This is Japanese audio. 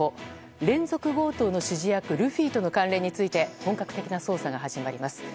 連続強盗の指示役ルフィとの関連について本格的な捜査が始まります。